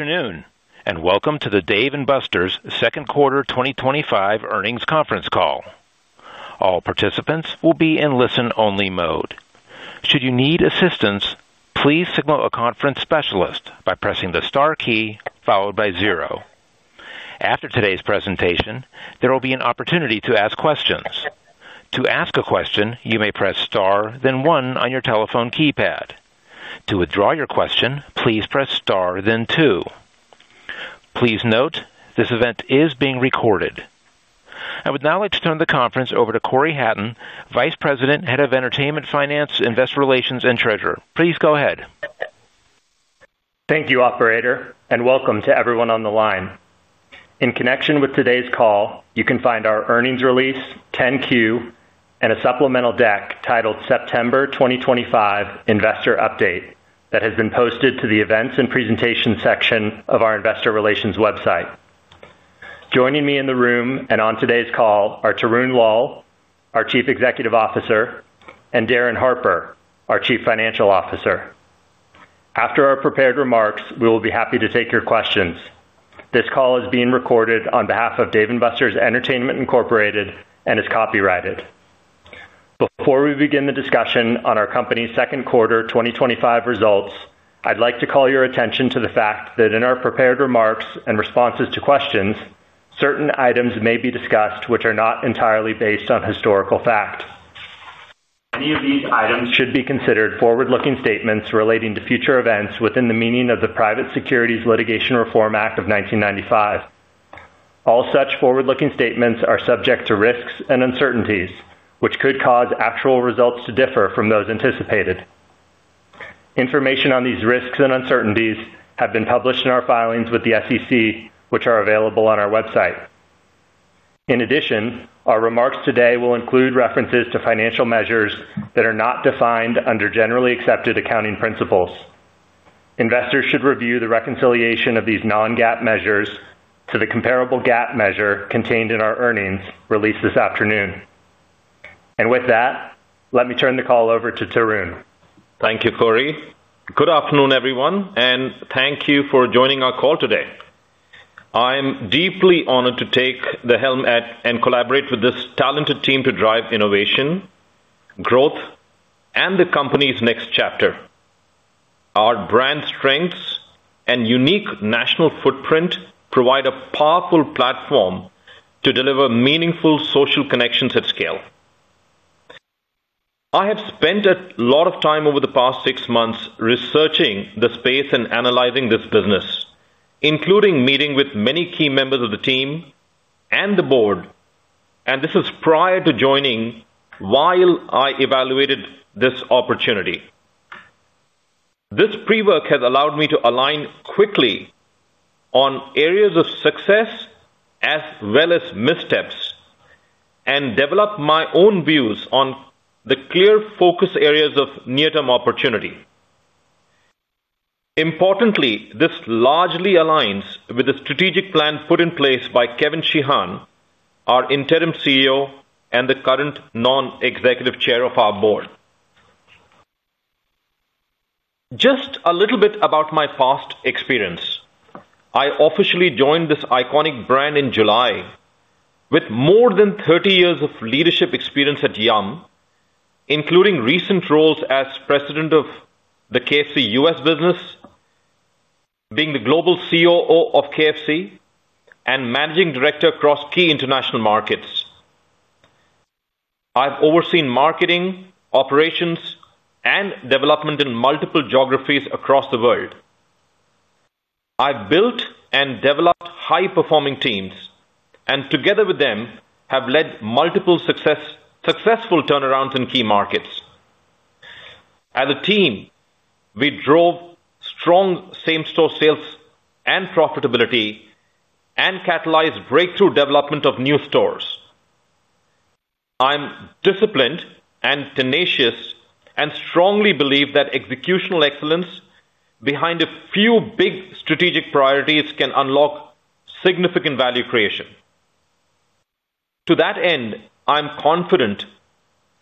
Afternoon and welcome to the Dave & Buster's Second Quarter 2025 Earnings Conference Call. All participants will be in listen-only mode. Should you need assistance, please signal a conference specialist by pressing the star key followed by zero. After today's presentation, there will be an opportunity to ask questions. To ask a question, you may press star, then one on your telephone keypad. To withdraw your question, please press star, then two. Please note this event is being recorded. I would now like to turn the conference over to Cory Hatton, Vice President, Head of Entertainment Finance, Investor Relations, and Treasurer. Please go ahead. Thank you, Operator, and welcome to everyone on the line. In connection with today's call, you can find our earnings release, 10-Q, and a supplemental deck titled September 2025 Investor Update that has been posted to the Events and Presentation section of our Investor Relations website. Joining me in the room and on today's call are Tarun Lal, our Chief Executive Officer, and Darin Harper, our Chief Financial Officer. After our prepared remarks, we will be happy to take your questions. This call is being recorded on behalf of Dave & Buster's Entertainment Inc. and is copyrighted. Before we begin the discussion on our company's second quarter 2025 results, I'd like to call your attention to the fact that in our prepared remarks and responses to questions, certain items may be discussed which are not entirely based on historical fact. Any of these items should be considered forward-looking statements relating to future events within the meaning of the Private Securities Litigation Reform Act of 1995. All such forward-looking statements are subject to risks and uncertainties, which could cause actual results to differ from those anticipated. Information on these risks and uncertainties has been published in our filings with the SEC, which are available on our website. In addition, our remarks today will include references to financial measures that are not defined under generally accepted accounting principles. Investors should review the reconciliation of these non-GAAP measures to the comparable GAAP measure contained in our earnings release this afternoon. With that, let me turn the call over to Tarun. Thank you, Cory. Good afternoon, everyone, and thank you for joining our call today. I am deeply honored to take the helm and collaborate with this talented team to drive innovation, growth, and the company's next chapter. Our brand strengths and unique national footprint provide a powerful platform to deliver meaningful social connections at scale. I have spent a lot of time over the past six months researching the space and analyzing this business, including meeting with many key members of the team and the board, and this is prior to joining while I evaluated this opportunity. This pre-work has allowed me to align quickly on areas of success as well as missteps and develop my own views on the clear focus areas of near-term opportunity. Importantly, this largely aligns with the strategic plan put in place by Kevin Sheehan, our interim CEO, and the current non-executive chair of our Board. Just a little bit about my past experience. I officially joined this iconic brand in July with more than 30 years of leadership experience at Yum!, including recent roles as President of the KFC U.S. business, being the Global COO of KFC, and Managing Director across key international markets. I've overseen marketing, operations, and development in multiple geographies across the world. I've built and developed high-performing teams, and together with them have led multiple successful turnarounds in key markets. As a team, we drove strong same-store sales and profitability and catalyzed breakthrough development of new stores. I'm disciplined and tenacious and strongly believe that executional excellence behind a few big strategic priorities can unlock significant value creation. To that end, I'm confident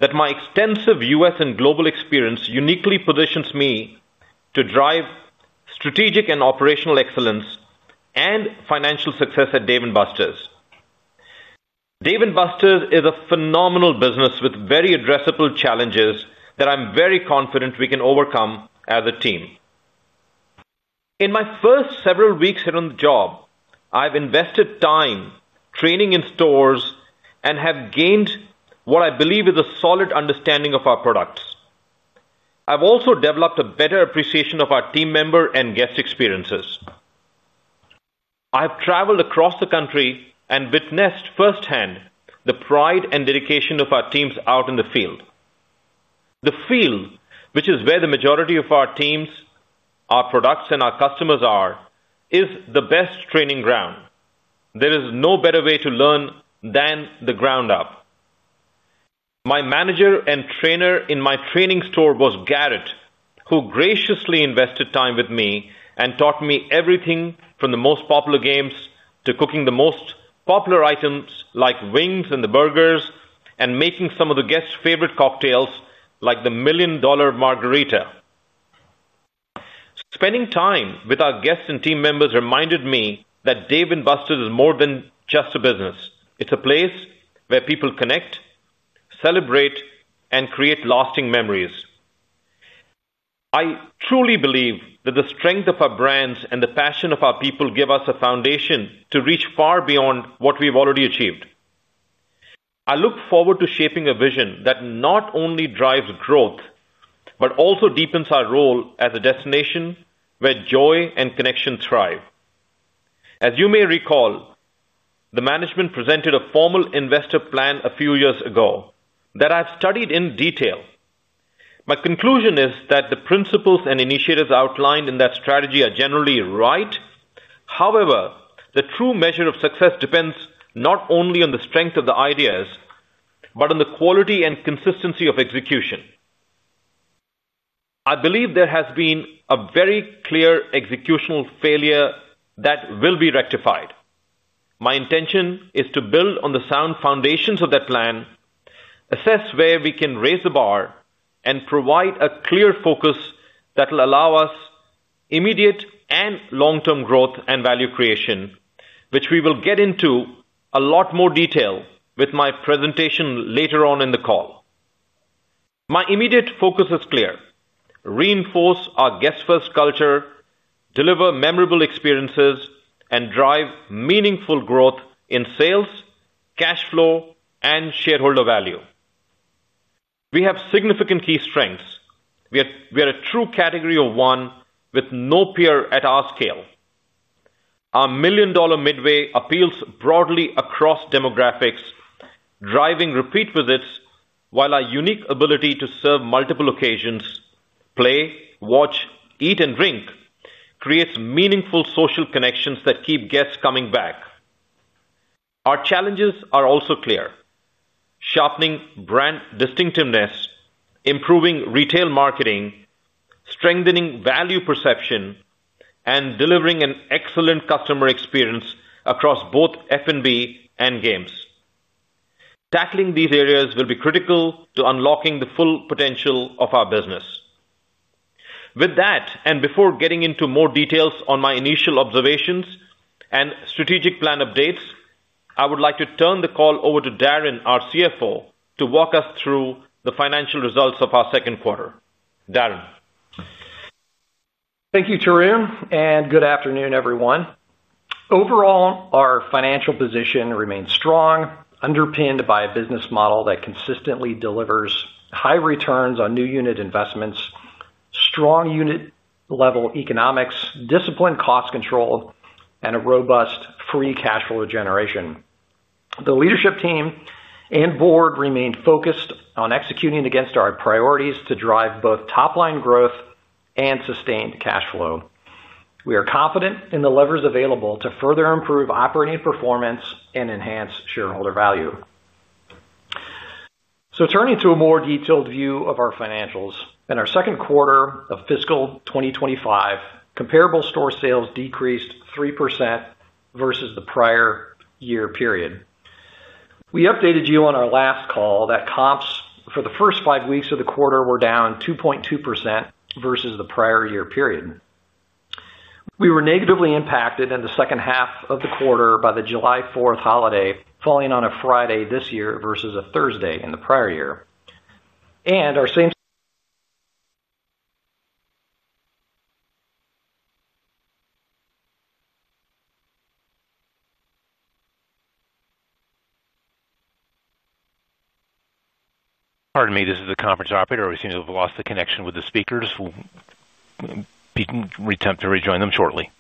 that my extensive U.S. and global experience uniquely positions me to drive strategic and operational excellence and financial success at Dave & Buster's. Dave & Buster's is a phenomenal business with very addressable challenges that I'm very confident we can overcome as a team. In my first several weeks here on the job, I've invested time training in stores and have gained what I believe is a solid understanding of our products. I've also developed a better appreciation of our team members' and guests' experiences. I've traveled across the country and witnessed firsthand the pride and dedication of our teams out in the field. The field, which is where the majority of our teams, our products, and our customers are, is the best training ground. There is no better way to learn than the ground up. My manager and trainer in my training store was Garrett, who graciously invested time with me and taught me everything from the most popular games to cooking the most popular items like wings and the burgers and making some of the guests' favorite cocktails like the million-dollar margarita. Spending time with our guests and team members reminded me that Dave & Buster's is more than just a business. It's a place where people connect, celebrate, and create lasting memories. I truly believe that the strength of our brands and the passion of our people give us a foundation to reach far beyond what we've already achieved. I look forward to shaping a vision that not only drives growth but also deepens our role as a destination where joy and connection thrive. As you may recall, the management presented a formal investor plan a few years ago that I've studied in detail. My conclusion is that the principles and initiatives outlined in that strategy are generally right. However, the true measure of success depends not only on the strength of the ideas but on the quality and consistency of execution. I believe there has been a very clear executional failure that will be rectified. My intention is to build on the sound foundations of that plan, assess where we can raise the bar, and provide a clear focus that will allow us immediate and long-term growth and value creation, which we will get into a lot more detail with my presentation later on in the call. My immediate focus is clear: reinforce our guest-first culture, deliver memorable experiences, and drive meaningful growth in sales, cash flow, and shareholder value. We have significant key strengths. We are a true category of one with no peer at our scale. Our million-dollar midway appeals broadly across demographics, driving repeat visits, while our unique ability to serve multiple occasions—play, watch, eat, and drink—creates meaningful social connections that keep guests coming back. Our challenges are also clear: sharpening brand distinctiveness, improving retail marketing, strengthening value perception, and delivering an excellent customer experience across both F&B and games. Tackling these areas will be critical to unlocking the full potential of our business. With that, before getting into more details on my initial observations and strategic plan updates, I would like to turn the call over to Darin, our CFO, to walk us through the financial results of our second quarter. Darin. Thank you, Tarun, and good afternoon, everyone. Overall, our financial position remains strong, underpinned by a business model that consistently delivers high returns on new unit investments, strong unit-level economics, disciplined cost control, and a robust free cash flow generation. The Leadership team and Board remain focused on executing against our priorities to drive both top-line growth and sustained cash flow. We are confident in the levers available to further improve operating performance and enhance shareholder value. Turning to a more detailed view of our financials, in our second quarter of fiscal 2025, comparable store sales decreased 3% versus the prior year period. We updated you on our last call that comps for the first five weeks of the quarter were down 2.2% versus the prior year period. We were negatively impacted in the second half of the quarter by the July 4th holiday falling on a Friday this year versus a Thursday in the prior year. Pardon me, this is the conference operator. We seem to have lost the connection with the speakers. We can attempt to rejoin them shortly.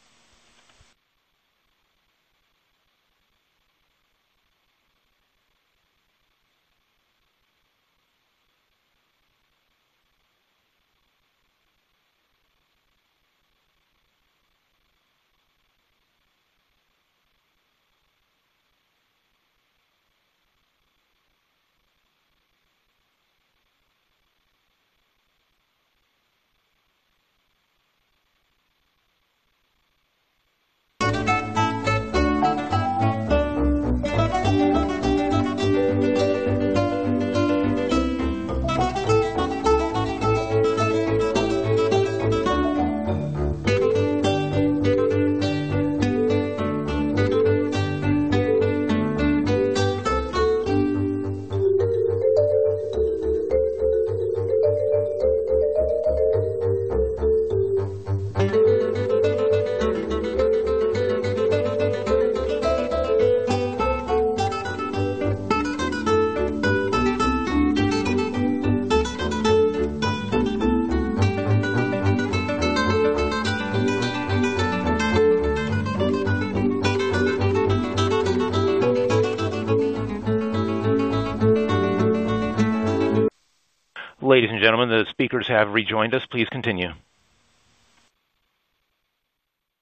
Ladies and gentlemen, the speakers have rejoined us. Please continue.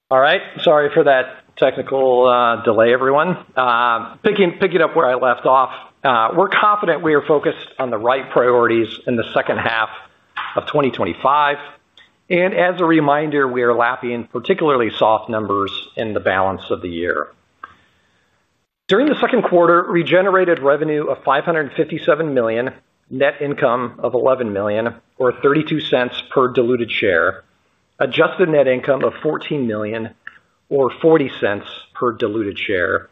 All right. Sorry for that technical delay, everyone. Picking up where I left off, we're confident we are focused on the right priorities in the second half of 2025. As a reminder, we are lapping particularly soft numbers in the balance of the year. During the second quarter, we generated revenue of $557 million, net income of $11 million, or $0.32 per diluted share, adjusted net income of $14 million, or $0.40 per diluted share,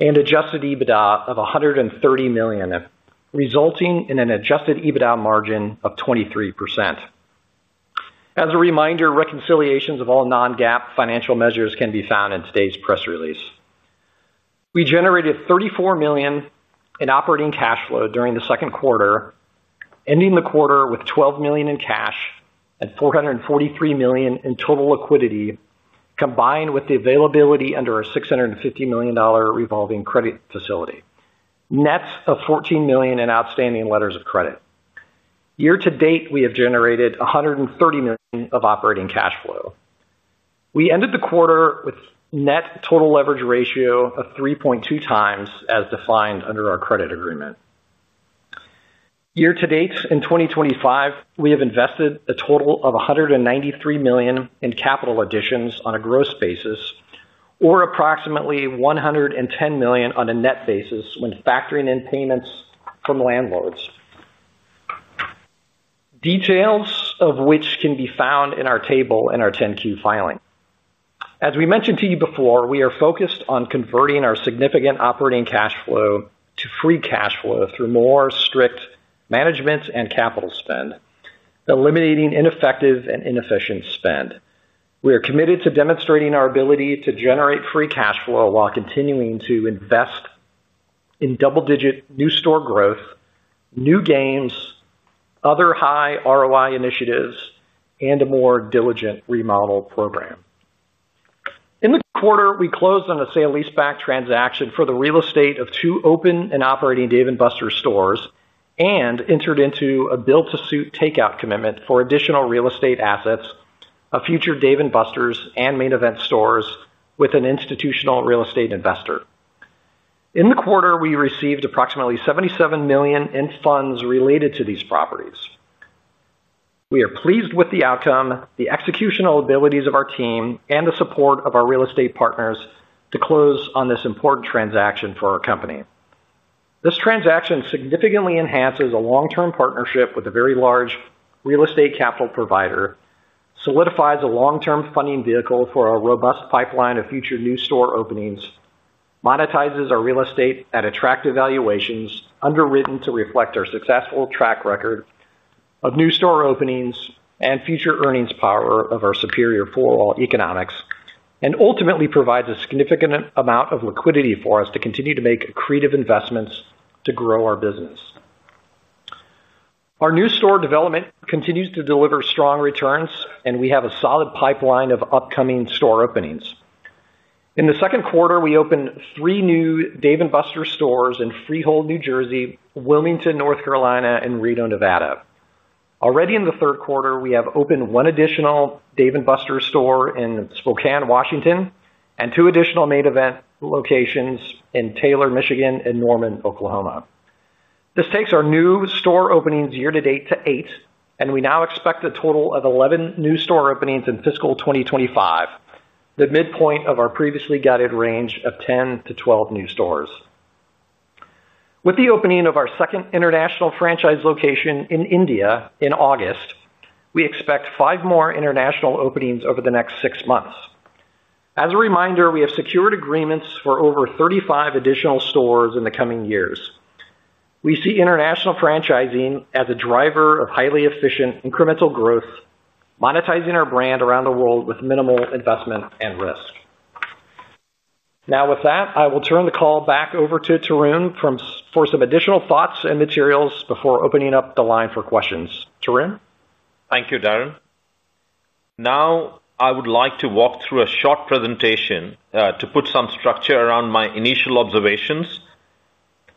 and adjusted EBITDA of $130 million, resulting in an adjusted EBITDA margin of 23%. As a reminder, reconciliations of all non-GAAP financial measures can be found in today's press release. We generated $34 million in operating cash flow during the second quarter, ending the quarter with $12 million in cash and $443 million in total liquidity, combined with the availability under our $650 million revolving credit facility, net of $14 million in outstanding letters of credit. Year to date, we have generated $130 million of operating cash flow. We ended the quarter with a net total leverage ratio of 3.2x as defined under our credit agreement. Year to date, in 2025, we have invested a total of $193 million in capital additions on a gross basis, or approximately $110 million on a net basis when factoring in payments from landlords, details of which can be found in our table in our 10-Q filing. As we mentioned to you before, we are focused on converting our significant operating cash flow to free cash flow through more strict management and capital spend, eliminating ineffective and inefficient spend. We are committed to demonstrating our ability to generate free cash flow while continuing to invest in double-digit new store growth, new games, other high-ROI initiatives, and a more diligent remodel program. In the quarter, we closed on a sale-leaseback transaction for the real estate of two open and operating Dave & Buster's stores and entered into a build-to-suit takeout commitment for additional real estate assets, a future Dave & Buster's and Main Event stores with an institutional real estate investor. In the quarter, we received approximately $77 million in funds related to these properties. We are pleased with the outcome, the executional abilities of our team, and the support of our real estate partners to close on this important transaction for our company. This transaction significantly enhances a long-term partnership with a very large real estate capital provider, solidifies a long-term funding vehicle for a robust pipeline of future new store openings, monetizes our real estate at attractive valuations underwritten to reflect our successful track record of new store openings and future earnings power of our superior four-wall economics, and ultimately provides a significant amount of liquidity for us to continue to make creative investments to grow our business. Our new store development continues to deliver strong returns, and we have a solid pipeline of upcoming store openings. In the second quarter, we opened three new Dave & Buster's stores in Freehold, New Jersey, Wilmington, North Carolina, and Reno, Nevada. Already in the third quarter, we have opened one additional Dave & Buster's store in Spokane, Washington, and two additional Main Event locations in Taylor, Michigan, and Norman, Oklahoma. This takes our new store openings year to date to eight, and we now expect a total of 11 new store openings in fiscal 2025, the midpoint of our previously guided range of 10-12 new stores. With the opening of our second international franchise location in India in August, we expect five more international openings over the next six months. As a reminder, we have secured agreements for over 35 additional stores in the coming years. We see international franchising as a driver of highly efficient incremental growth, monetizing our brand around the world with minimal investment and risk. Now, with that, I will turn the call back over to Tarun for some additional thoughts and materials before opening up the line for questions. Tarun? Thank you, Darin. Now, I would like to walk through a short presentation to put some structure around my initial observations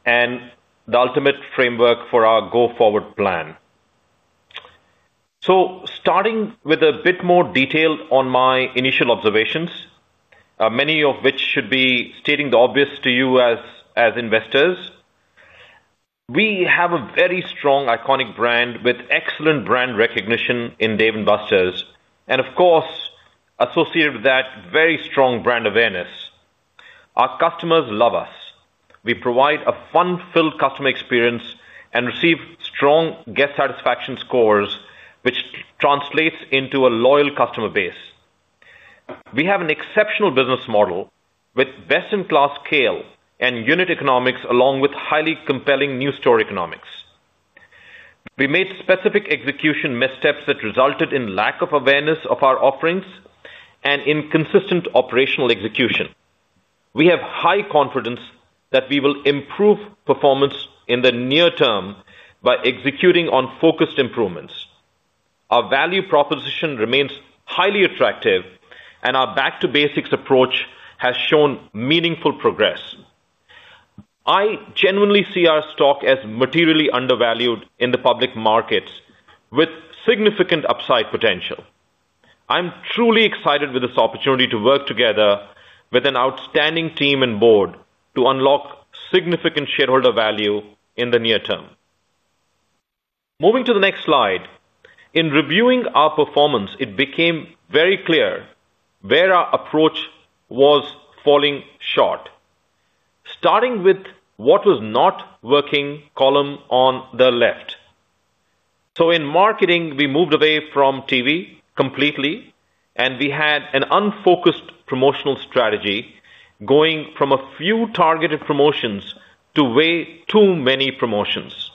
and the ultimate framework for our go-forward plan. Starting with a bit more detail on my initial observations, many of which should be stating the obvious to you as investors. We have a very strong iconic brand with excellent brand recognition in Dave & Buster's, and of course, associated with that, very strong brand awareness. Our customers love us. We provide a fun-filled customer experience and receive strong guest satisfaction scores, which translates into a loyal customer base. We have an exceptional business model with best-in-class scale and unit economics, along with highly compelling new store economics. We made specific execution missteps that resulted in lack of awareness of our offerings and inconsistent operational execution. We have high confidence that we will improve performance in the near term by executing on focused improvements. Our value proposition remains highly attractive, and our back-to-basics approach has shown meaningful progress. I genuinely see our stock as materially undervalued in the public markets with significant upside potential. I'm truly excited with this opportunity to work together with an outstanding team and board to unlock significant shareholder value in the near term. Moving to the next slide, in reviewing our performance, it became very clear where our approach was falling short. Starting with what was not working, column on the left. In marketing, we moved away from TV completely, and we had an unfocused promotional strategy, going from a few targeted promotions to way too many promotions.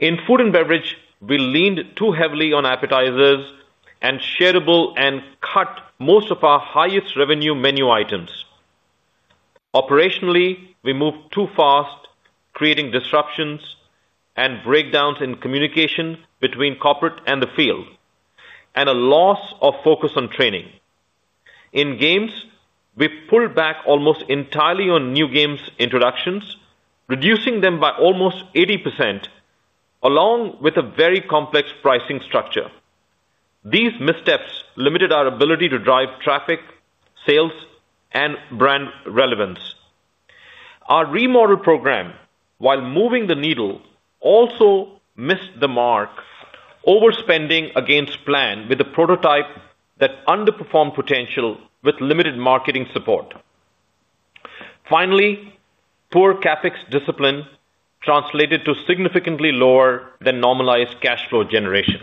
In food and beverage, we leaned too heavily on appetizers and shareable and cut most of our highest revenue menu items. Operationally, we moved too fast, creating disruptions and breakdowns in communication between corporate and the field, and a loss of focus on training. In games, we pulled back almost entirely on new games' introductions, reducing them by almost 80%, along with a very complex pricing structure. These missteps limited our ability to drive traffic, sales, and brand relevance. Our remodel program, while moving the needle, also missed the mark, overspending against plan with a prototype that underperformed potential with limited marketing support. Finally, poor CapEx discipline translated to significantly lower than normalized cash flow generation.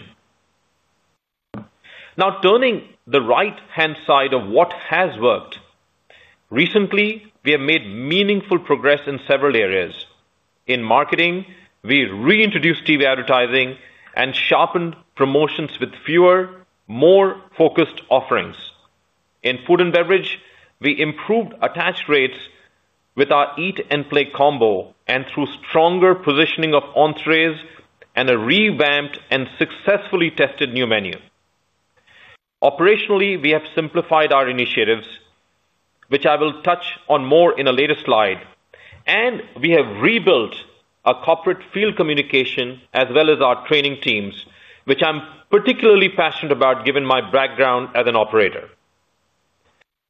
Now, turning the right-hand side of what has worked, recently, we have made meaningful progress in several areas. In marketing, we reintroduced TV advertising and sharpened promotions with fewer, more focused offerings. In food and beverage, we improved attach rates with our eat and play combo and through stronger positioning of entrees and a revamped and successfully tested new menu. Operationally, we have simplified our initiatives, which I will touch on more in a later slide, and we have rebuilt our corporate field communication as well as our training teams, which I'm particularly passionate about given my background as an operator.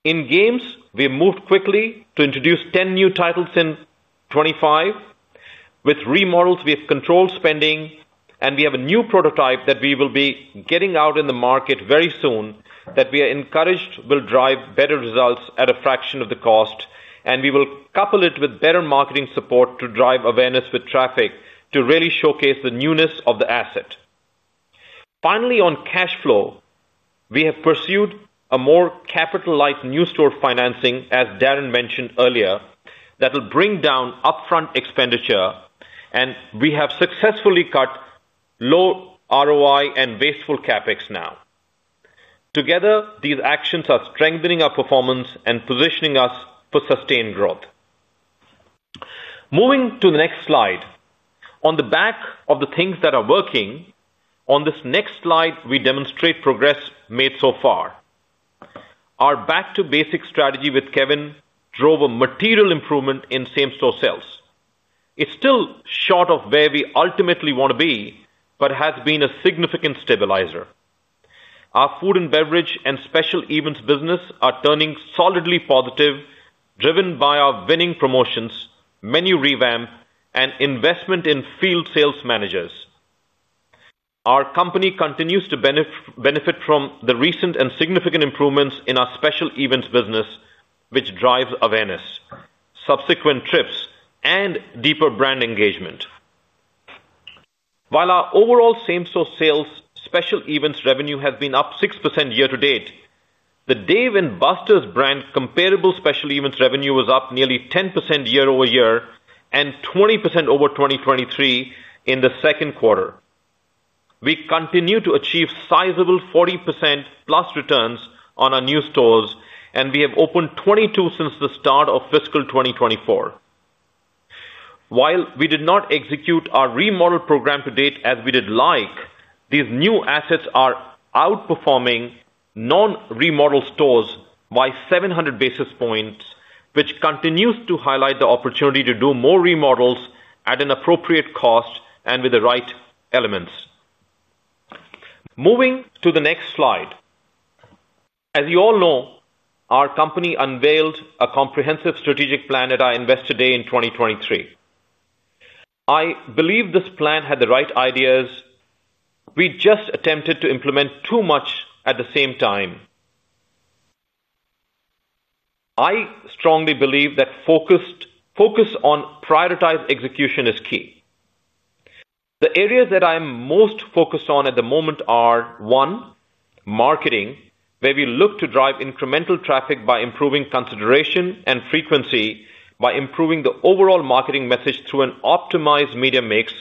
In games, we moved quickly to introduce 10 new titles in 2025. With remodels, we have controlled spending, and we have a new prototype that we will be getting out in the market very soon that we are encouraged will drive better results at a fraction of the cost, and we will couple it with better marketing support to drive awareness with traffic to really showcase the newness of the asset. Finally, on cash flow, we have pursued a more capital-light new store financing, as Darin mentioned earlier, that will bring down upfront expenditure, and we have successfully cut low ROI and wasteful CapEx now. Together, these actions are strengthening our performance and positioning us for sustained growth. Moving to the next slide, on the back of the things that are working, on this next slide, we demonstrate progress made so far. Our back-to-basics strategy with Kevin drove a material improvement in comparable store sales. It's still short of where we ultimately want to be, but it has been a significant stabilizer. Our food and beverage and special events business are turning solidly positive, driven by our winning promotions, menu revamp, and investment in field sales managers. Our company continues to benefit from the recent and significant improvements in our special events business, which drives awareness, subsequent trips, and deeper brand engagement. While our overall comparable store sales special events revenue has been up 6% year to date, the Dave & Buster's brand comparable special events revenue was up nearly 10% year-over-year and 20% over 2023 in the second quarter. We continue to achieve sizable 40% plus returns on our new stores, and we have opened 22 since the start of fiscal 2024. While we did not execute our remodel program to date as we would like, these new assets are outperforming non-remodel stores by 700 basis points, which continues to highlight the opportunity to do more remodels at an appropriate cost and with the right elements. Moving to the next slide, as you all know, our company unveiled a comprehensive strategic plan at our Investor Day in 2023. I believe this plan had the right ideas; we just attempted to implement too much at the same time. I strongly believe that focus on prioritized execution is key. The areas that I am most focused on at the moment are: one, marketing, where we look to drive incremental traffic by improving consideration and frequency, by improving the overall marketing message through an optimized media mix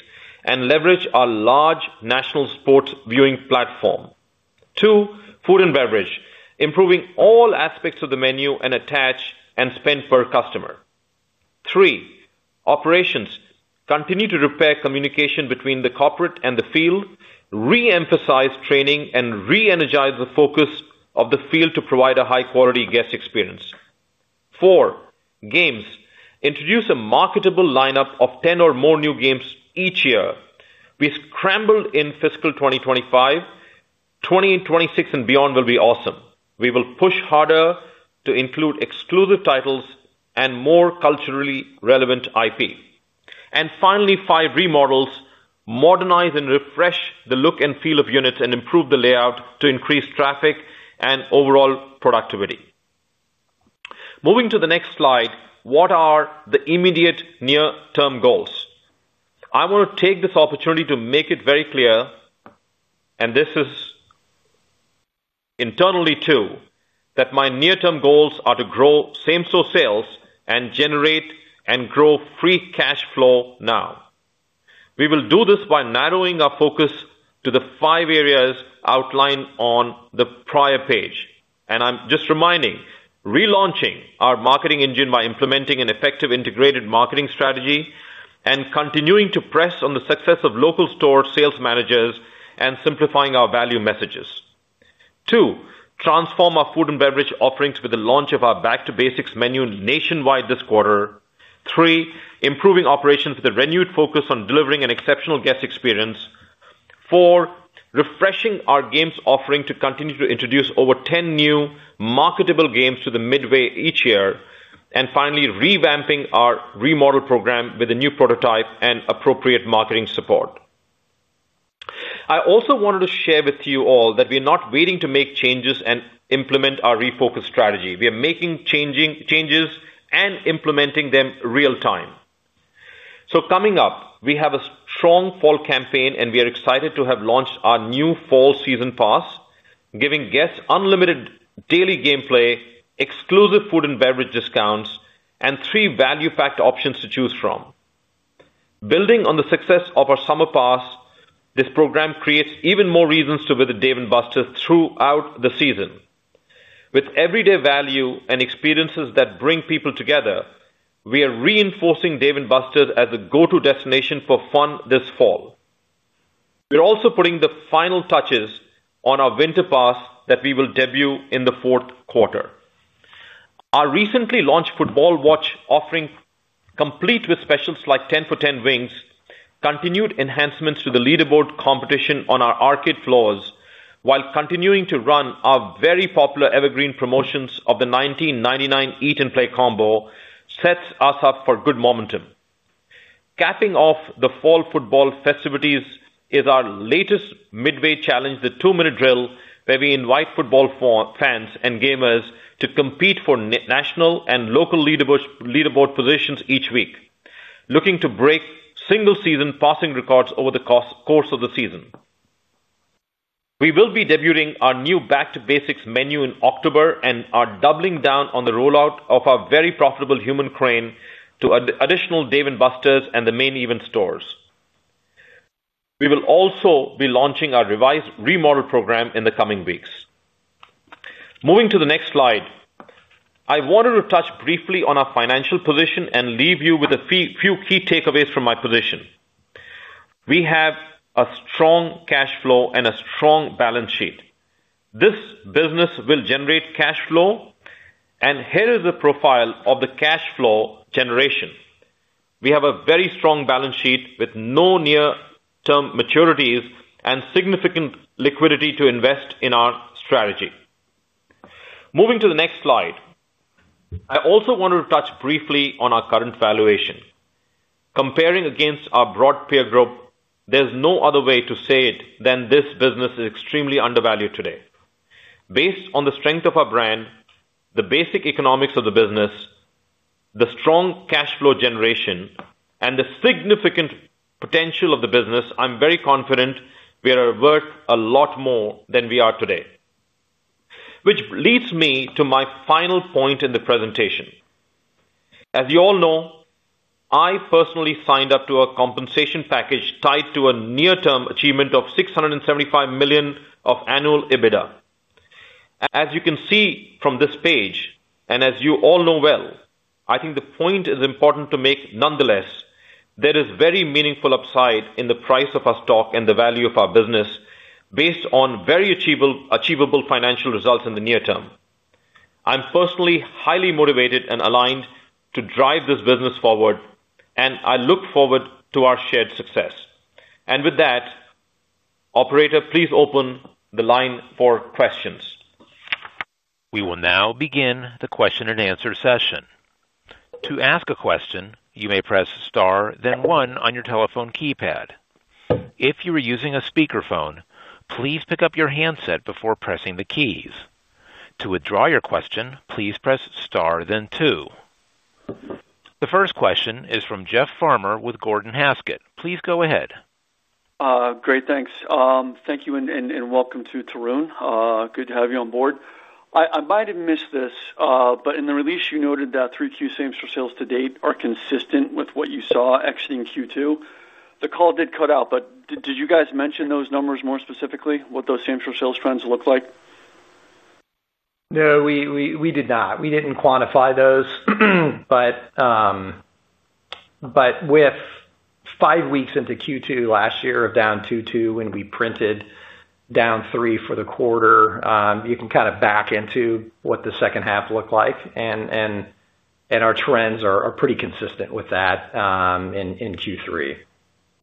and leverage our large national sports viewing platform. Two, food and beverage, improving all aspects of the menu and attach and spend per customer. Three, operations, continue to repair communication between the corporate and the field, reemphasize training, and reenergize the focus of the field to provide a high-quality guest experience. Four, games, introduce a marketable lineup of 10 or more new games each year. We scrambled in fiscal 2025; 2026 and beyond will be awesome. We will push harder to include exclusive titles and more culturally relevant IP. Finally, five, remodels, modernize and refresh the look and feel of units and improve the layout to increase traffic and overall productivity. Moving to the next slide, what are the immediate near-term goals? I want to take this opportunity to make it very clear, and this is internally too, that my near-term goals are to grow same-store sales and generate and grow free cash flow now. We will do this by narrowing our focus to the five areas outlined on the prior page. I'm just reminding, relaunching our marketing engine by implementing an effective integrated marketing strategy and continuing to press on the success of local store sales managers and simplifying our value messages. Two, transform our food and beverage offerings with the launch of our back-to-basics menu nationwide this quarter. Three, improving operations with a renewed focus on delivering an exceptional guest experience. Four, refreshing our games offering to continue to introduce over 10 new marketable games to the midway each year. Finally, revamping our remodel program with a new prototype and appropriate marketing support. I also wanted to share with you all that we are not waiting to make changes and implement our refocus strategy. We are making changes and implementing them real time. Coming up, we have a strong fall campaign, and we are excited to have launched our new fall season pass, giving guests unlimited daily gameplay, exclusive food and beverage discounts, and three value-packed options to choose from. Building on the success of our summer pass, this program creates even more reasons to visit Dave & Buster's throughout the season. With everyday value and experiences that bring people together, we are reinforcing Dave & Buster's as a go-to destination for fun this fall. We're also putting the final touches on our winter pass that we will debut in the fourth quarter. Our recently launched football watch offering, complete with specials like $10 for 10 wings, continued enhancements to the leaderboard competition on our arcade floors, and continuing to run our very popular evergreen promotions of the $19.99 eat and play combo, sets us up for good momentum. Capping off the fall football festivities is our latest midway challenge, the two-minute drill, where we invite football fans and gamers to compete for national and local leaderboard positions each week, looking to break single-season passing records over the course of the season. We will be debuting our new revamped back-to-basics menu in October, and are doubling down on the rollout of our very profitable human crane to additional Dave & Buster's and Main Event stores. We will also be launching our refreshed remodel program in the coming weeks. Moving to the next slide, I wanted to touch briefly on our financial position and leave you with a few key takeaways from my position. We have a strong cash flow and a strong balance sheet. This business will generate cash flow, and here is a profile of the cash flow generation. We have a very strong balance sheet with no near-term maturities and significant liquidity to invest in our strategy. Moving to the next slide, I also wanted to touch briefly on our current valuation. Comparing against our broad peer group, there's no other way to say it than this business is extremely undervalued today. Based on the strength of our brand, the basic economics of the business, the strong cash flow generation, and the significant potential of the business, I'm very confident we are worth a lot more than we are today. Which leads me to my final point in the presentation. As you all know, I personally signed up to a compensation package tied to a near-term achievement of $675 million of annual adjusted EBITDA. As you can see from this page, and as you all know well, I think the point is important to make nonetheless, there is very meaningful upside in the price of our stock and the value of our business based on very achievable financial results in the near term. I'm personally highly motivated and aligned to drive this business forward. I look forward to our shared success. Operator, please open the line for questions. We will now begin the question-and-answer session. To ask a question, you may press star, then one on your telephone keypad. If you are using a speakerphone, please pick up your handset before pressing the keys. To withdraw your question, please press star, then two. The first question is from Jeff Farmer with Gordon Haskett, please go ahead. Great, thanks. Thank you and welcome to Tarun. Good to have you on board. I might have missed this, but in the release, you noted that Q3 comparable store sales to date are consistent with what you saw exiting Q2. The call did cut out, but did you guys mention those numbers more specifically, what those comparable store sales trends look like? No, we did not. We didn't quantify those, but with five weeks into Q2 last year of down 2.2% when we printed down 3% for the quarter, you can kind of back into what the second half looked like, and our trends are pretty consistent with that in Q3.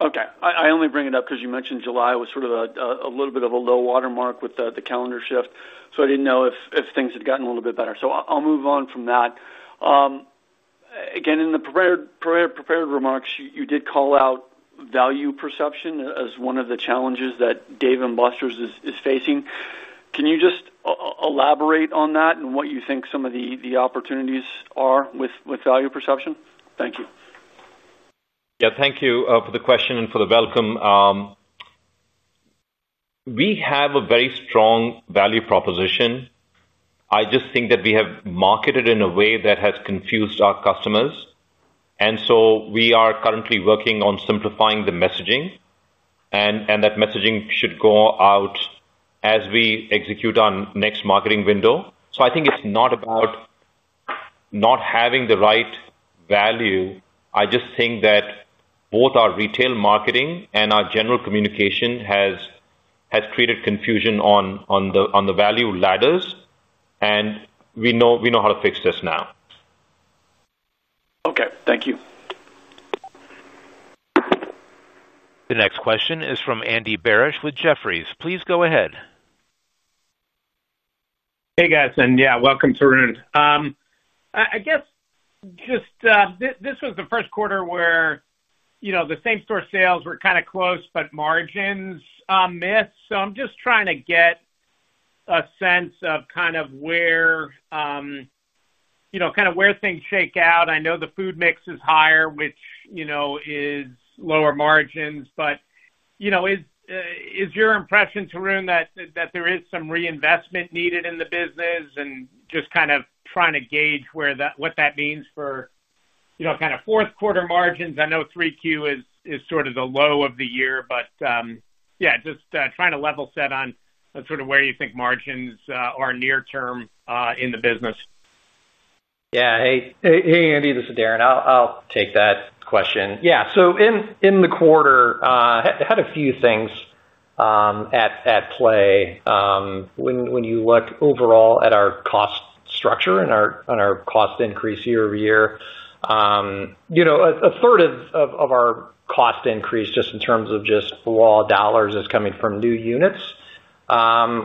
Okay. I only bring it up because you mentioned July was sort of a little bit of a low watermark with the calendar shift. I didn't know if things had gotten a little bit better. I'll move on from that. Again, in the prepared remarks, you did call out value perception as one of the challenges that Dave & Buster's is facing. Can you just elaborate on that and what you think some of the opportunities are with value perception? Thank you. Thank you for the question and for the welcome. We have a very strong value proposition. I just think that we have marketed in a way that has confused our customers, and we are currently working on simplifying the messaging, and that messaging should go out as we execute our next marketing window. I think it's not about not having the right value. I just think that both our retail marketing and our general communication has created confusion on the value ladders, and we know how to fix this now. Okay, thank you. The next question is from Andy Barish with Jefferies. Please go ahead. Hey guys, and yeah, welcome Tarun. I guess this was the first quarter where the same-store sales were kind of close, but margins missed. I'm just trying to get a sense of where things shake out. I know the food mix is higher, which is lower margins, but is your impression, Tarun, that there is some reinvestment needed in the business and just trying to gauge what that means for fourth quarter margins? I know 3Q is sort of the low of the year, but just trying to level set on where you think margins are near term in the business. Yeah, hey, Andy, this is Darin. I'll take that question. In the quarter, I had a few things at play. When you look overall at our cost structure and our cost increase year-over-year, a third of our cost increase just in terms of raw dollars is coming from new units.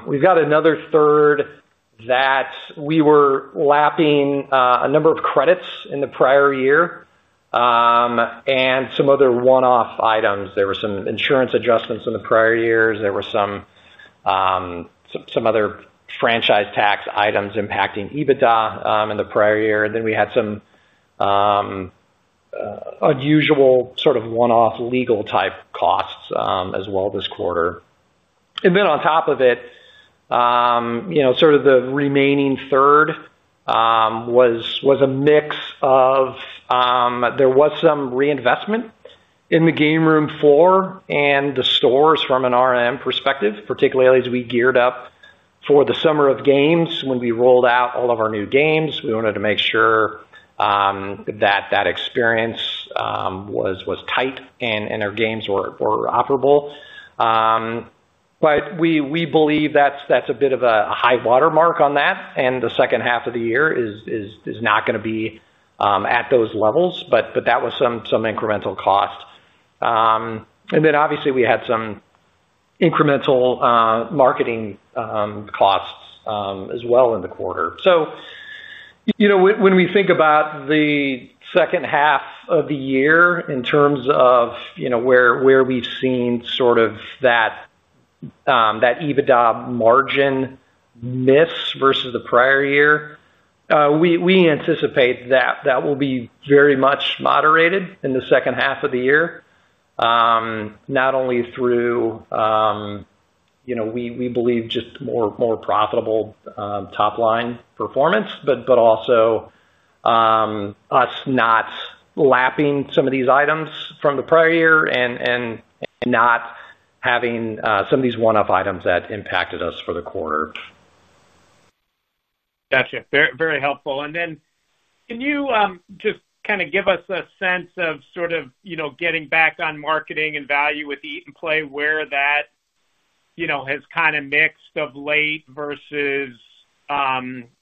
We've got another third that we were lapping a number of credits in the prior year and some other one-off items. There were some insurance adjustments in the prior years. There were some other franchise tax items impacting EBITDA in the prior year. We had some unusual sort of one-off legal type costs as well this quarter. On top of it, the remaining third was a mix of some reinvestment in the game room floor and the stores from an RMM perspective, particularly as we geared up for the summer of games when we rolled out all of our new games. We wanted to make sure that experience was tight and our games were operable. We believe that's a bit of a high watermark on that. The second half of the year is not going to be at those levels, but that was some incremental cost. Obviously, we had some incremental marketing costs as well in the quarter. When we think about the second half of the year in terms of where we've seen that EBITDA margin miss versus the prior year, we anticipate that will be very much moderated in the second half of the year, not only through, we believe, just more profitable top-line performance, but also us not lapping some of these items from the prior year and not having some of these one-off items that impacted us for the quarter. Gotcha. Very helpful. Can you just kind of give us a sense of getting back on marketing and value with eat and play where that has kind of mixed of late versus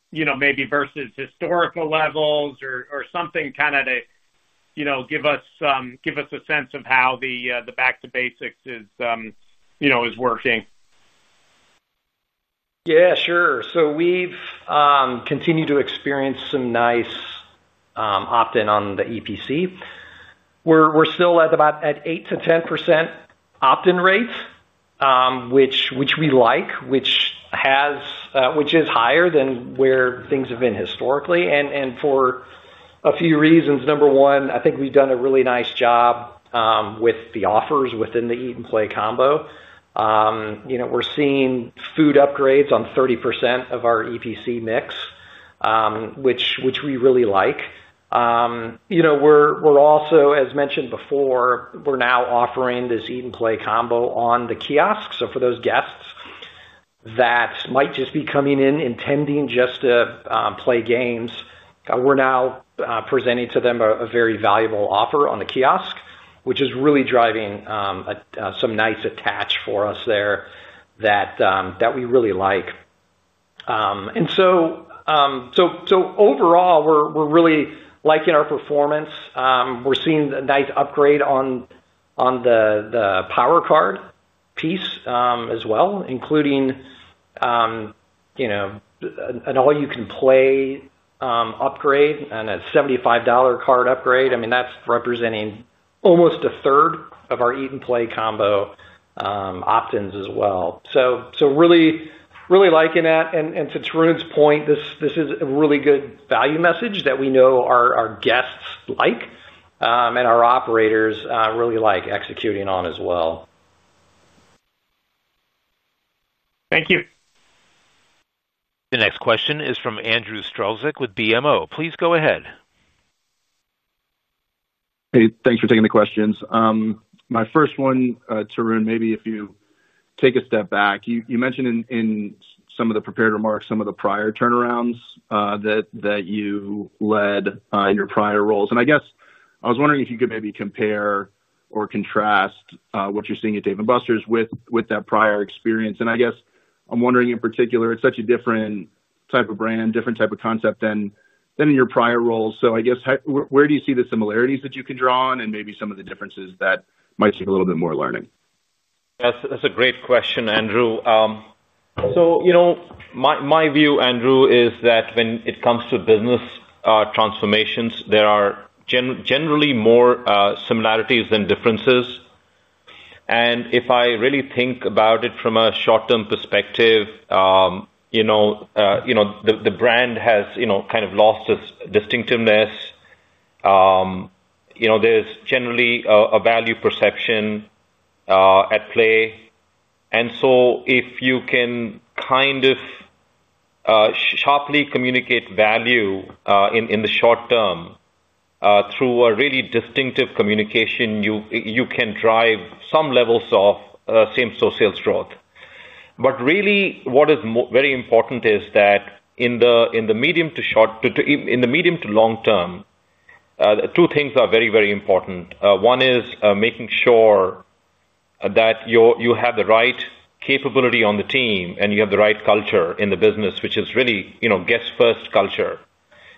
maybe versus historical levels or something to give us a sense of how the back-to-basics is working? Yeah, sure. We've continued to experience some nice opt-in on the EPC. We're still at about 8%-10% opt-in rates, which we like, which is higher than where things have been historically. For a few reasons, number one, I think we've done a really nice job with the offers within the eat and play combo. We're seeing food upgrades on 30% of our EPC mix, which we really like. We're also, as mentioned before, we're now offering this eat and play combo on the kiosk. For those guests that might just be coming in intending just to play games, we're now presenting to them a very valuable offer on the kiosk, which is really driving some nice attach for us there that we really like. Overall, we're really liking our performance. We're seeing a nice upgrade on the power card piece as well, including an all-you-can-play upgrade and a $75 card upgrade. That's representing almost a 1/3 of our eat and play combo opt-ins as well. Really, really liking that. To Tarun's point, this is a really good value message that we know our guests like and our operators really like executing on as well. Thank you. The next question is from Andrew Strelzik with BMO. Please go ahead. Hey, thanks for taking the questions. My first one, Tarun, maybe if you take a step back, you mentioned in some of the prepared remarks, some of the prior turnarounds that you led in your prior roles. I was wondering if you could maybe compare or contrast what you're seeing at Dave & Buster's with that prior experience. I'm wondering in particular, it's such a different type of brand, different type of concept than in your prior roles. Where do you see the similarities that you can draw on and maybe some of the differences that might take a little bit more learning? That's a great question, Andrew. My view, Andrew, is that when it comes to business transformations, there are generally more similarities than differences. If I really think about it from a short-term perspective, the brand has kind of lost its distinctiveness. There's generally a value perception at play. If you can sharply communicate value in the short-term through a really distinctive communication, you can drive some levels of same-store sales growth. What is very important is that in the medium to long-term, two things are very, very important. One is making sure that you have the right capability on the team and you have the right culture in the business, which is really a guest-first culture,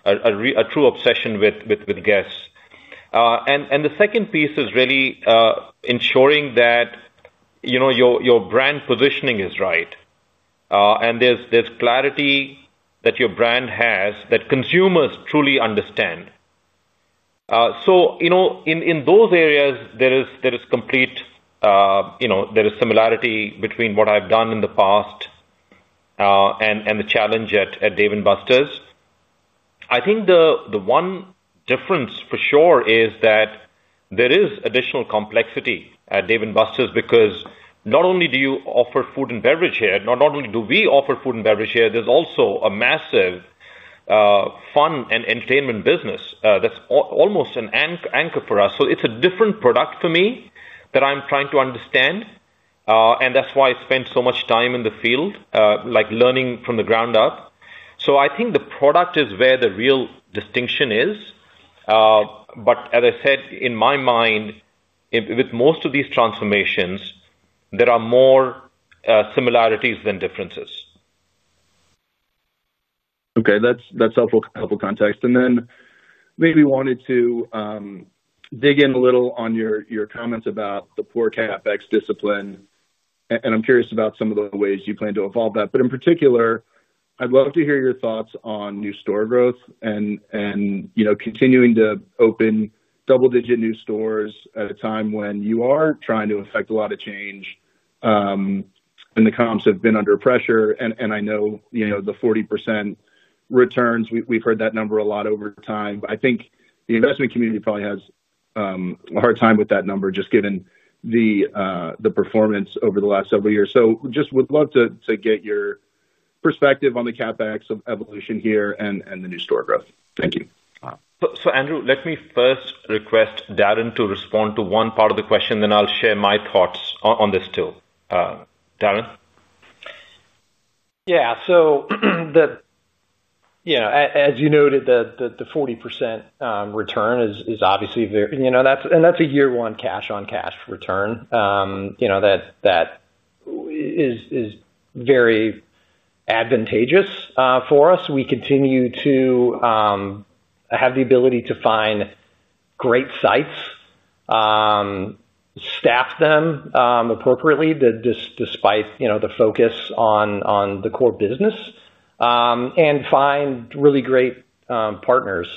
a true obsession with guests. The second piece is really ensuring that your brand positioning is right and there's clarity that your brand has that consumers truly understand. In those areas, there is similarity between what I've done in the past and the challenge at Dave & Buster's. I think the one difference for sure is that there is additional complexity at Dave & Buster's because not only do you offer food and beverage here, not only do we offer food and beverage here, there's also a massive fun and entertainment business that's almost an anchor for us. It's a different product for me that I'm trying to understand. That's why I spent so much time in the field, learning from the ground up. I think the product is where the real distinction is. As I said, in my mind, with most of these transformations, there are more similarities than differences. Okay, that's helpful context. I wanted to dig in a little on your comments about the poor CapEx discipline. I'm curious about some of the ways you plan to evolve that. In particular, I'd love to hear your thoughts on new store growth and, you know, continuing to open double-digit new stores at a time when you are trying to affect a lot of change and the comps have been under pressure. I know, you know, the 40% returns, we've heard that number a lot over time. I think the investment community probably has a hard time with that number, just given the performance over the last several years. I would love to get your perspective on the CapEx evolution here and the new store growth. Thank you. Andrew, let me first request Darin to respond to one part of the question, then I'll share my thoughts on this too. Darin? Yeah, as you noted, the 40% return is obviously very, and that's a year-one cash-on-cash return. That is very advantageous for us. We continue to have the ability to find great sites, staff them appropriately despite the focus on the core business, and find really great partners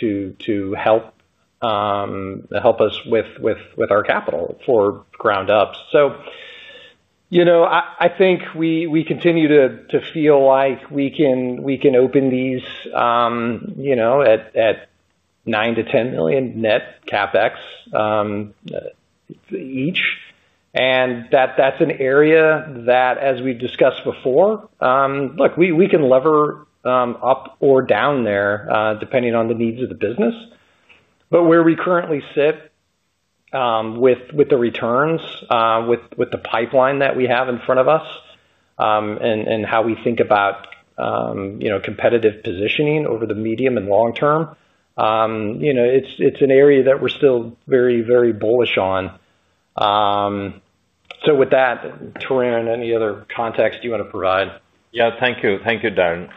to help us with our capital for ground-ups. I think we continue to feel like we can open these at $9-$10 million net CapEx each. That's an area that, as we've discussed before, we can lever up or down there depending on the needs of the business. Where we currently sit with the returns, with the pipeline that we have in front of us, and how we think about competitive positioning over the medium and long-term, it's an area that we're still very, very bullish on. Tarun, any other context you want to provide? Thank you, Darin.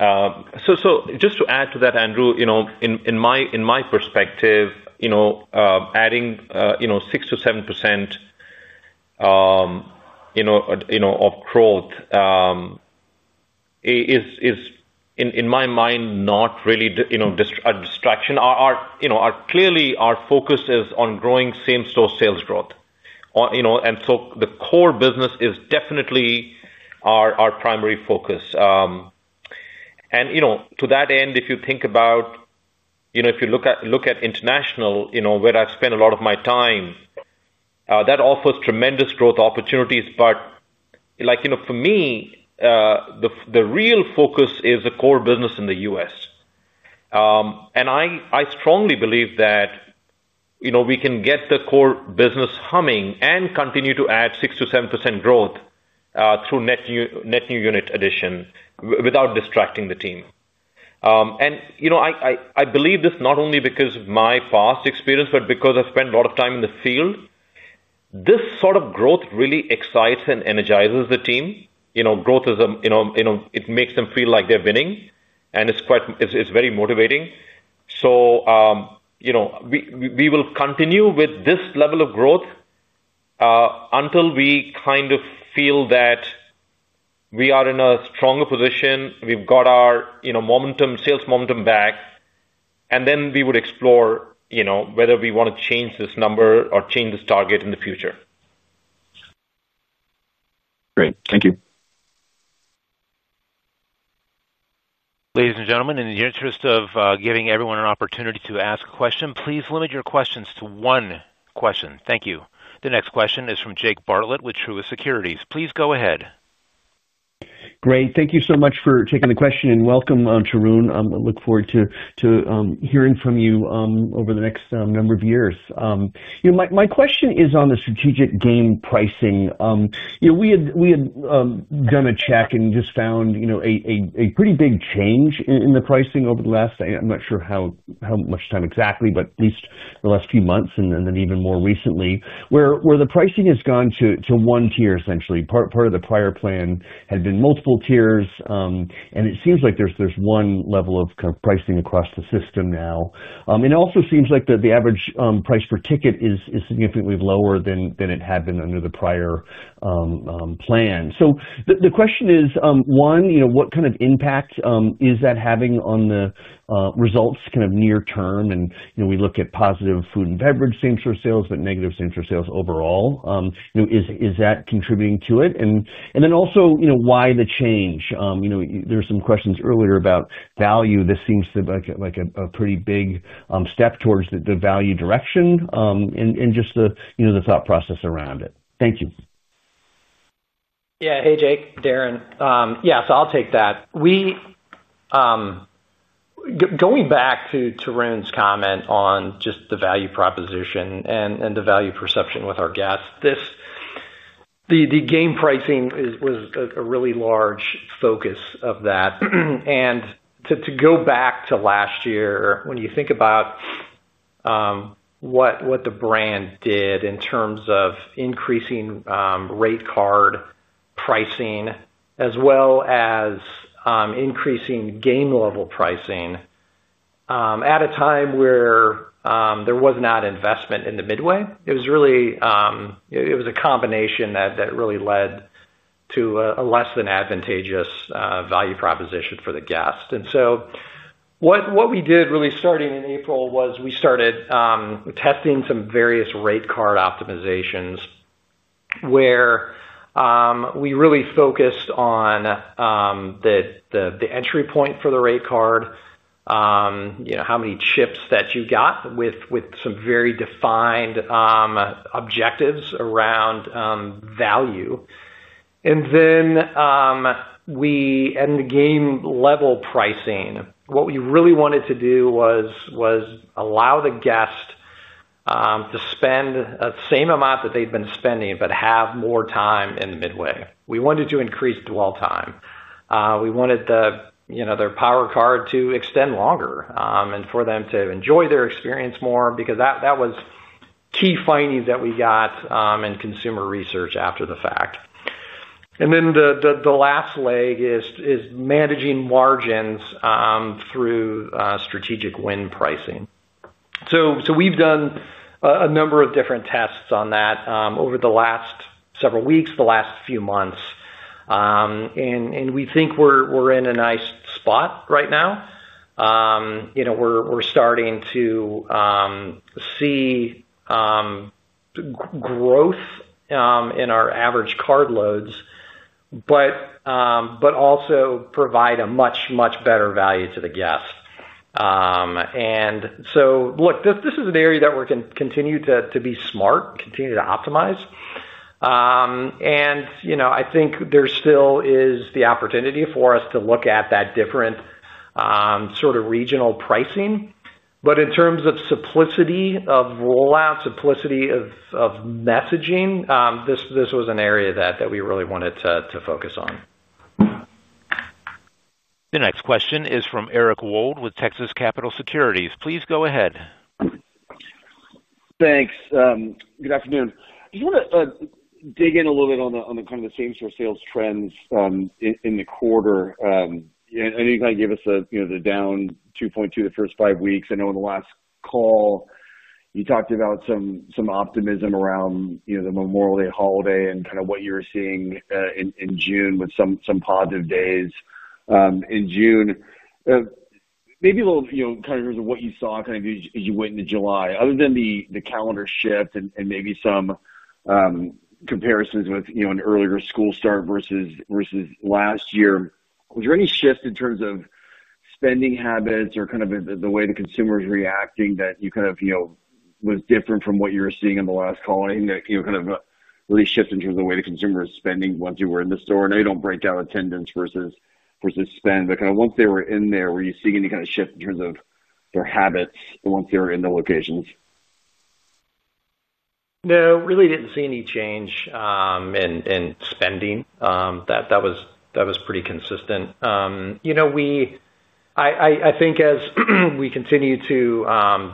Just to add to that, Andrew, in my perspective, adding 6%-7% of growth is, in my mind, not really a distraction. Clearly, our focus is on growing same-store sales growth, and the core business is definitely our primary focus. To that end, if you think about, if you look at international, where I've spent a lot of my time, that offers tremendous growth opportunities. For me, the real focus is the core business in the U.S., and I strongly believe that we can get the core business humming and continue to add 6%-7% growth through net new unit addition without distracting the team. I believe this not only because of my past experience, but because I've spent a lot of time in the field. This sort of growth really excites and energizes the team. Growth makes them feel like they're winning, and it's very motivating. We will continue with this level of growth until we feel that we are in a stronger position. We've got our sales momentum back, and then we would explore whether we want to change this number or change this target in the future. Great, thank you. Ladies and gentlemen, in the interest of giving everyone an opportunity to ask questions, please limit your questions to one question. Thank you. The next question is from Jake Bartlett with Truist Securities. Please go ahead. Great. Thank you so much for taking the question and welcome, Tarun. I look forward to hearing from you over the next number of years. My question is on the strategic game pricing. We had done a check and just found a pretty big change in the pricing over the last, I'm not sure how much time exactly, but at least the last few months and then even more recently, where the pricing has gone to one tier essentially. Part of the prior plan had been multiple tiers, and it seems like there's one level of pricing across the system now. It also seems like the average price per ticket is significantly lower than it had been under the prior plan. The question is, one, what kind of impact is that having on the results near term? We look at positive food and beverage same-store sales, but negative same-store sales overall. Is that contributing to it? Also, why the change? There were some questions earlier about value. This seems like a pretty big step towards the value direction and just the thought process around it. Thank you. Yeah, hey J ake, Darin. I'll take that. Going back to Tarun's comment on just the value proposition and the value perception with our guests, the game pricing was a really large focus of that. To go back to last year, when you think about what the brand did in terms of increasing rate card pricing, as well as increasing game level pricing, at a time where there was not investment in the midway, it was a combination that really led to a less than advantageous value proposition for the guest. What we did starting in April was we started testing some various rate card optimizations where we really focused on the entry point for the rate card, you know, how many chips that you got with some very defined objectives around value. We ended game level pricing. What we really wanted to do was allow the guest to spend the same amount that they'd been spending, but have more time in the midway. We wanted to increase dwell time. We wanted their power card to extend longer and for them to enjoy their experience more because that was key findings that we got in consumer research after the fact. The last leg is managing margins through strategic win pricing. We've done a number of different tests on that over the last several weeks, the last few months, and we think we're in a nice spot right now. We're starting to see growth in our average card loads, but also provide a much, much better value to the guest. This is an area that we can continue to be smart, continue to optimize. I think there still is the opportunity for us to look at that different sort of regional pricing. In terms of simplicity of rollout, simplicity of messaging, this was an area that we really wanted to focus on. The next question is from Eric Wold with Texas Capital Securities. Please go ahead. Thanks. Good afternoon. I just want to dig in a little bit on the same-store sales trends in the quarter. I know you gave us the down 2.2% the first five weeks. I know in the last call you talked about some optimism around the Memorial Day holiday and what you were seeing in June with some positive days in June. Maybe a little in terms of what you saw as you went into July. Other than the calendar shift and maybe some comparisons with an earlier school start versus last year, was there any shift in terms of spending habits or the way the consumer's reacting that was different from what you were seeing in the last call? Any really shift in terms of the way the consumer is spending once you were in the store?I know you don't break down attendance versus spend, but once they were in there, were you seeing any shift in terms of their habits once they were in the locations? No, really didn't see any change in spending. That was pretty consistent. I think as we continue to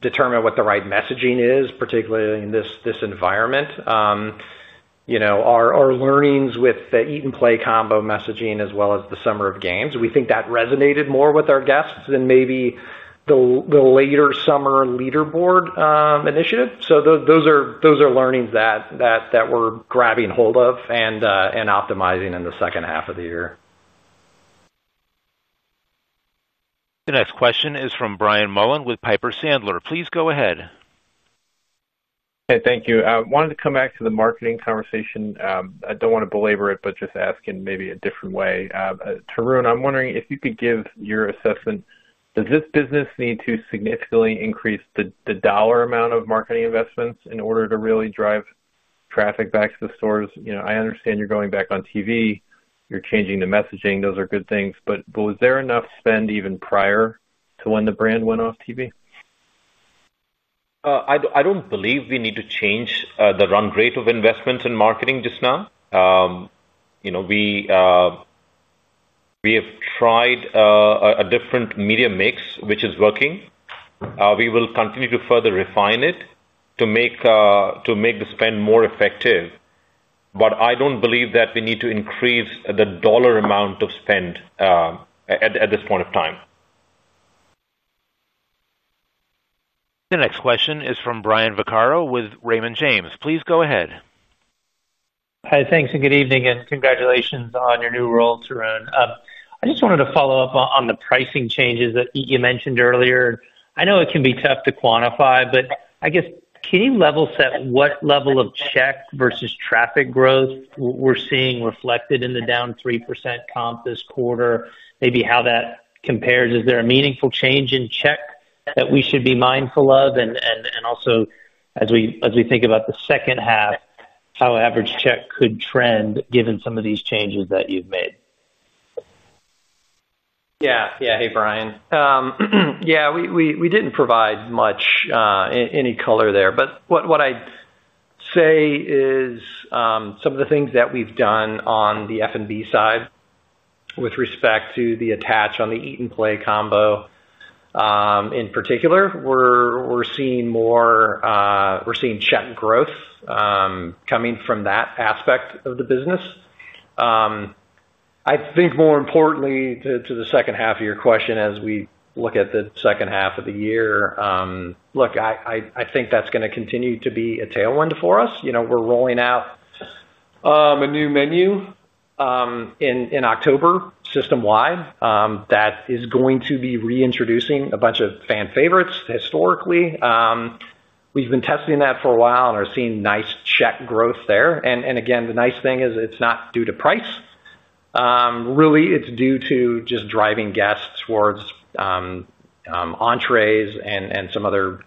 determine what the right messaging is, particularly in this environment, our learnings with the eat and play combo messaging as well as the summer of games, we think that resonated more with our guests than maybe the later summer leaderboard initiative. Those are learnings that we're grabbing hold of and optimizing in the second half of the year. The next question is from Brian Mullan with Piper Sandler. Please go ahead. Hey, thank you. I wanted to come back to the marketing conversation. I don't want to belabor it, but just ask in maybe a different way. Tarun, I'm wondering if you could give your assessment, does this business need to significantly increase the dollar amount of marketing investments in order to really drive traffic back to the stores? I understand you're going back on TV, you're changing the messaging, those are good things, but was there enough spend even prior to when the brand went off TV? I don't believe we need to change the run rate of investments in marketing just now. We have tried a different media mix, which is working. We will continue to further refine it to make the spend more effective, but I don't believe that we need to increase the dollar amount of spend at this point of time. The next question is from Brian Vaccaro with Raymond James. Please go ahead. Hi, thanks, and good evening, and congratulations on your new role, Tarun. I just wanted to follow up on the pricing changes that you mentioned earlier. I know it can be tough to quantify, but I guess can you level set what level of check versus traffic growth we're seeing reflected in the down 3% comp this quarter. Maybe how that compares. Is there a meaningful change in check that we should be mindful of? Also, as we think about the second half, how average check could trend given some of these changes that you've made? Yeah, hey Brian. We didn't provide much in any color there, but what I'd say is some of the things that we've done on the F&B side with respect to the attach on the eat and play combo in particular, we're seeing more check and growth coming from that aspect of the business. I think more importantly to the second half of your question, as we look at the second half of the year, I think that's going to continue to be a tailwind for us. We're rolling out a new menu in October system-wide that is going to be reintroducing a bunch of fan favorites historically. We've been testing that for a while and are seeing nice check growth there. The nice thing is it's not due to price. Really, it's due to just driving guests towards entrees and some other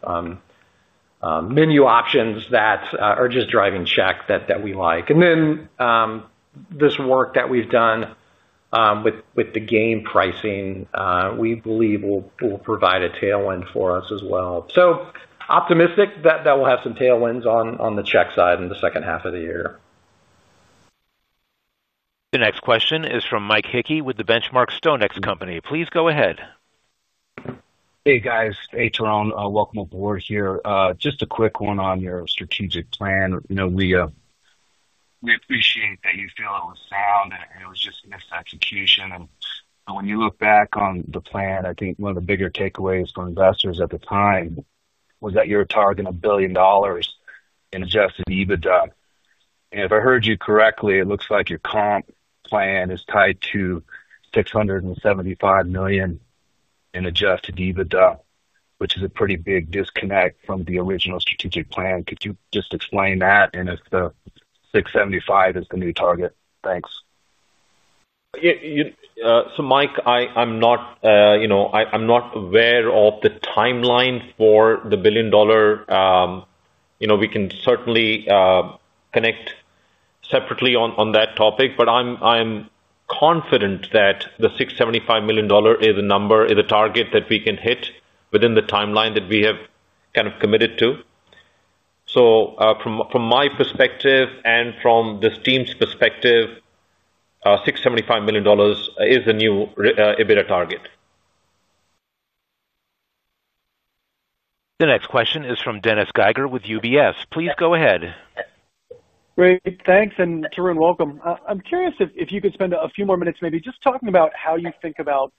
menu options that are just driving check that we like. This work that we've done with the game pricing, we believe will provide a tailwind for us as well. Optimistic that we'll have some tailwinds on the check side in the second half of the year. The next question is from Mike Hickey with The Benchmark Company. Please go ahead. Hey guys, hey Tarun, welcome aboard here. Just a quick one on your strategic plan. We appreciate that you feel it was sound and it was just an excellent execution. When you look back on the plan, I think one of the bigger takeaways for investors at the time was that you're targeting $1 billion in adjusted EBITDA. If I heard you correctly, it looks like your comp plan is tied to $675 million in adjusted EBITDA, which is a pretty big disconnect from the original strategic plan. Could you just explain that and if the $675 million is the new target? Thanks. Mike, I'm not aware of the timeline for the billion-dollar. We can certainly connect separately on that topic, but I'm confident that the $675 million is a number, is a target that we can hit within the timeline that we have kind of committed to. From my perspective and from this team's perspective, $675 million is a new EBITDA target. The next question is from Dennis Geiger with UBS. Please go ahead. Great, thanks, and Tarun, welcome. I'm curious if you could spend a few more minutes maybe just talking about how you think about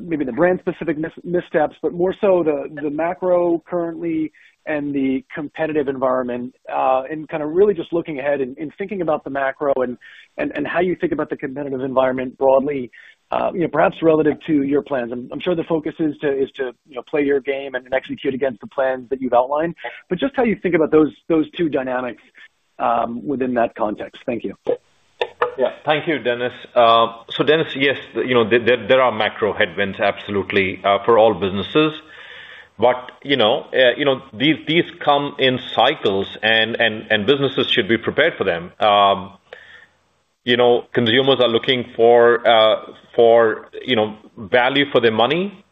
maybe the brand-specific missteps, but more so the macro currently and the competitive environment, and kind of really just looking ahead and thinking about the macro and how you think about the competitive environment broadly, you know, perhaps relative to your plans. I'm sure the focus is to play your game and execute against the plans that you've outlined, but just how you think about those two dynamics within that context. Thank you. Thank you, Dennis. Dennis, yes, there are macro headwinds absolutely for all businesses, but these come in cycles and businesses should be prepared for them. Consumers are looking for value for their money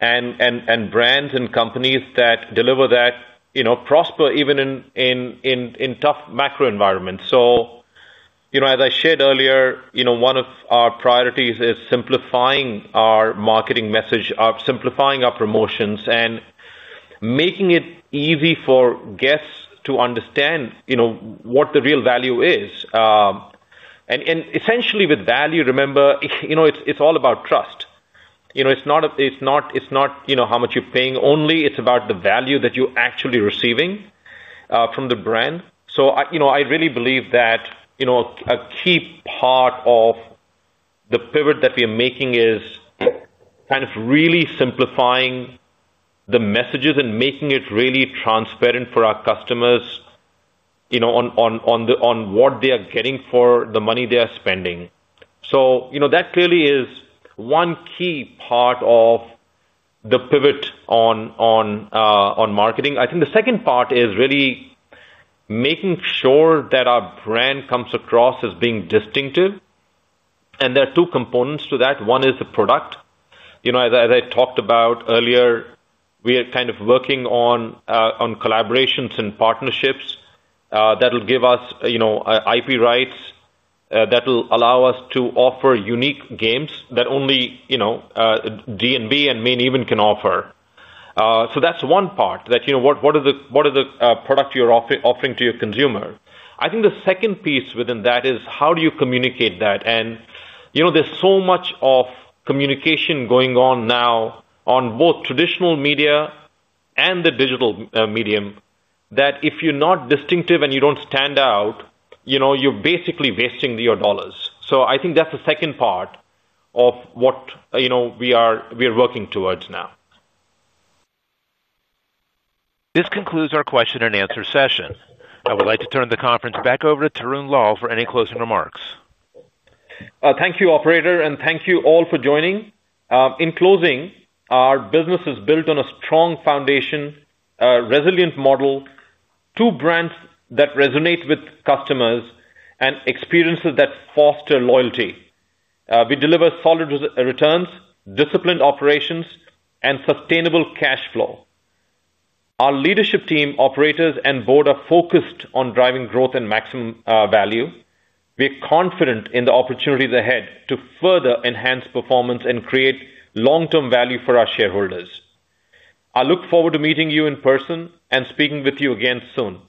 and brands and companies that deliver that prosper even in tough macro environments. As I shared earlier, one of our priorities is simplifying our marketing message, simplifying our promotions, and making it easy for guests to understand what the real value is. Essentially with value, remember, it's all about trust. It's not how much you're paying only. It's about the value that you're actually receiving from the brand. I really believe that a key part of the pivot that we are making is really simplifying the messages and making it really transparent for our customers on what they are getting for the money they are spending. That clearly is one key part of the pivot on marketing. I think the second part is really making sure that our brand comes across as being distinctive, and there are two components to that. One is the product. As I talked about earlier, we are working on collaborations and partnerships that will give us IP rights that will allow us to offer unique games that only D&B and Main Event can offer. That's one part, what is the product you're offering to your consumer. I think the second piece within that is how do you communicate that. There's so much communication going on now on both traditional media and the digital medium that if you're not distinctive and you don't stand out, you're basically wasting your dollars. I think that's the second part of what we are working towards now. This concludes our question-and-answer session. I would like to turn the conference back over to Tarun Lal for any closing remarks. Thank you, Operator, and thank you all for joining. In closing, our business is built on a strong foundation, a resilient model, two brands that resonate with customers, and experiences that foster loyalty. We deliver solid returns, disciplined operations, and sustainable cash flow. Our leadership team, operators, and board are focused on driving growth and maximum value. We are confident in the opportunities ahead to further enhance performance and create long-term value for our shareholders. I look forward to meeting you in person and speaking with you again soon.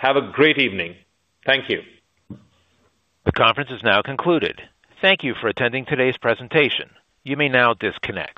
Have a great evening. Thank you. The conference is now concluded. Thank you for attending today's presentation. You may now disconnect.